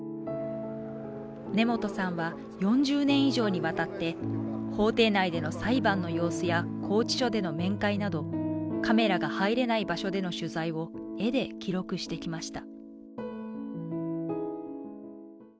根本さんは４０年以上にわたって法廷内での裁判の様子や拘置所での面会などカメラが入れない場所での取材を絵で記録してきました。